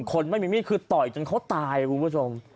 คนไม่มีมีดคือต่อยจนเขาตายคุณผู้ชม